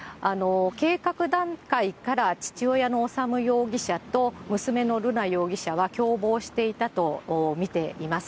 計画段階から父親の修容疑者と娘の瑠奈容疑者は共謀していたと見ています。